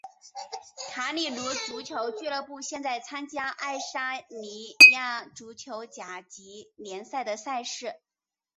卡里鲁足球俱乐部现在参加爱沙尼亚足球甲级联赛的赛事。